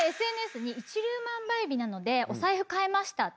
ＳＮＳに一粒万倍日なのでお財布買いましたって